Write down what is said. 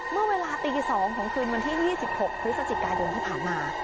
เมื่อเวลาตี๒ของคืนวันที่๒๖พฤศจิกายนที่ผ่านมา